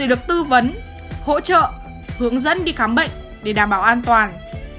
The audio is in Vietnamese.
khi có dấu hiệu sốt ho khó thở hướng dẫn đi khám bệnh để đảm bảo an toàn